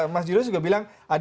mas julius juga bilang